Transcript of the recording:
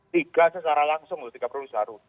tiga secara langsung tiga provinsi baru